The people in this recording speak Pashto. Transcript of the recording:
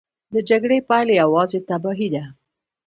د جګړې پایله یوازې تباهي ده.